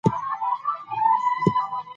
زه هڅه کوم هره ورځ له وخت نه ښه استفاده وکړم